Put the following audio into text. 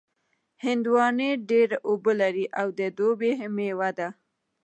هندوانې ډېر اوبه لري او د دوبي مېوه ده.